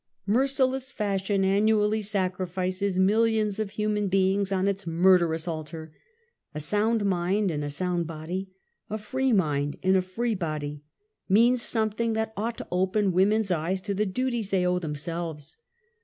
Merciless Fashion annually sacrifices millions of human beings on its murderous altar. A sound mind in a soimd body, a free mind in a free body, mean something that ought to open women's eyes to the duties they owe themselves.